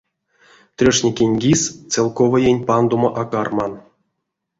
Трёшникень кис целковоень пандомо а карман!